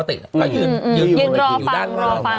อะไรรบเลยอยู่ด้านล่าง